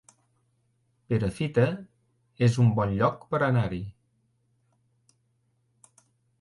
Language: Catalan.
Perafita es un bon lloc per anar-hi